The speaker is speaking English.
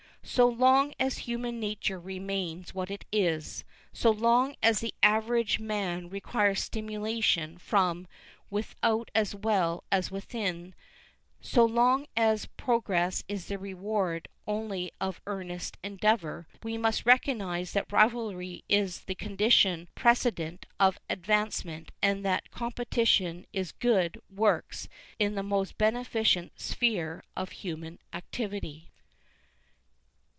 So long as human nature remains what it is, so long as the average man requires stimulation from without as well as from within, so long as progress is the reward only of earnest endeavor, we must recognize that rivalry is the condition precedent of advancement and that competition in good works is the most beneficent sphere of human activity.